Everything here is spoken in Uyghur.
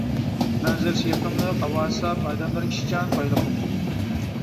مەنزىرىسى يېقىملىق، ھاۋاسى ساپ، ئادەملىرى ئىشچان، بايلىقى مول.